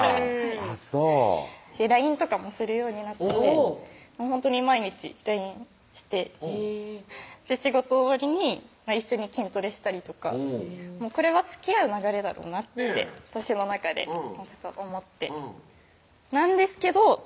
あぁそうＬＩＮＥとかもするようになってほんとに毎日ＬＩＮＥして仕事終わりに一緒に筋トレしたりとかこれはつきあう流れだろうなって私の中で思ってなんですけど